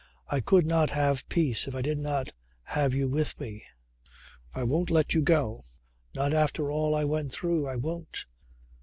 "I could not have peace if I did not have you with me. I won't let you go. Not after all I went through. I won't."